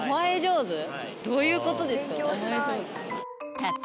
どういうことですか？